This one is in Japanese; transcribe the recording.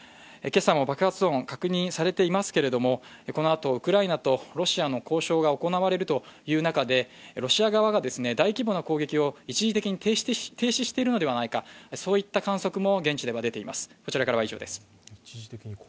今朝も爆発音確認されていますけれども、このあとウクライナとロシアの交渉が行われるという中でロシア側が大規模な攻撃を一時的に停止しているのではないか、そういった観測も現地では出ています。